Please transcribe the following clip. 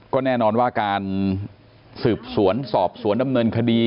ก็แน่นอนว่าการสืบสวนสอบสวนดำเนินคดี